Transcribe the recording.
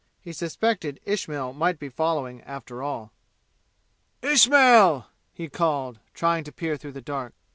He suspected Ismail might be following after all. "Ismail!" he called, trying to peer through the dark.